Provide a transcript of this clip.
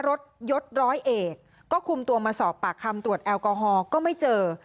ยศร้อยเอกก็คุมตัวมาสอบปากคำตรวจแอลกอฮอลก็ไม่เจอ